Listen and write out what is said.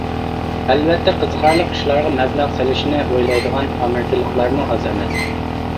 ئەلۋەتتە قىزىقارلىق ئىشلارغا مەبلەغ سېلىشنى ئويلايدىغان ئامېرىكىلىقلارمۇ ئاز ئەمەس.